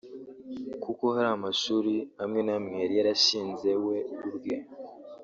kuko hari amashuri amwe namwe yari yarashinze we ubwe